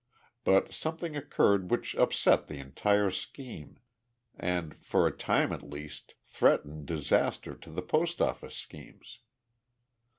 But something occurred which upset the entire scheme and, for a time at least, threatened disaster to the Post office schemes.